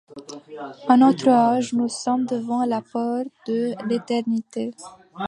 À notre âge nous sommes devant la porte de l'éternité.